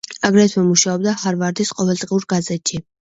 აგრეთვე მუშაობდა ჰარვარდის ყოველდღიურ გაზეთში.